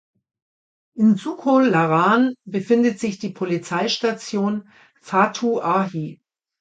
In Suco Laran befindet sich die Polizeistation "Fatu Ahi".